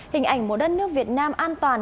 hình ảnh một đất nước việt nam an toàn